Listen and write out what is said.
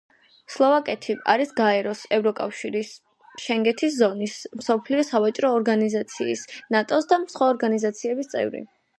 სლოვაკეთი არის გაერო-ს, ევროკავშირის, შენგენის ზონის, მსოფლიო სავაჭრო ორგანიზაციის, ნატო-ს და სხვა ორგანიზაციების წევრი.